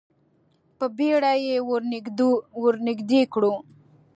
په بیړه یې ور نږدې کړو.